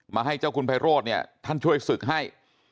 ให้เจ้าคุณไพโรธเนี่ยท่านช่วยศึกให้